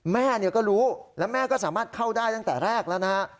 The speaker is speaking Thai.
แม่ก็รู้แล้วแม่ก็สามารถเข้าได้ตั้งแต่แรกแล้วนะฮะ